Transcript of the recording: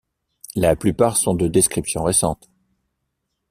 La plupart sont de description récente.